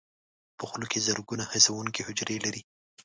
په خوله کې زرګونه حسونکي حجرې لري.